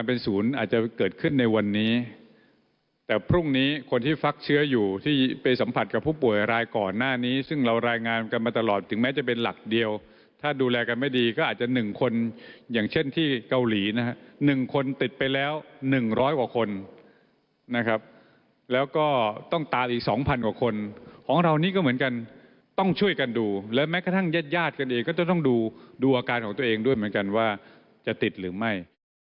ต้องช่วยกันดูและแม้กระทั่งญาติกันเองก็ต้องดูอาการของตัวเองด้วยเหมือนกันว่าจะติดหรือไม่